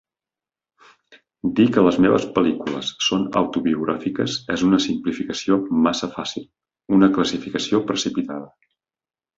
Dir que les meves pel·lícules són autobiogràfiques és una simplificació massa fàcil, una classificació precipitada.